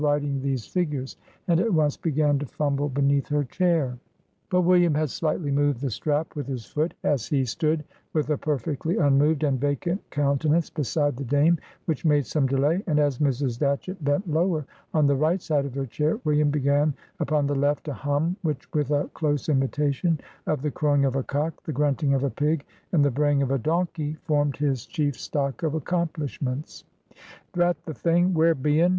[Picture: "Zo thee's been scraaling on thee slate, instead of writing thee figures," and at once began to fumble beneath her chair] But William had slightly moved the strap with his foot, as he stood with a perfectly unmoved and vacant countenance beside the Dame, which made some delay; and as Mrs. Datchett bent lower on the right side of her chair, William began upon the left a "hum," which, with a close imitation of the crowing of a cock, the grunting of a pig, and the braying of a donkey, formed his chief stock of accomplishments. "Drat the thing! Where be un?"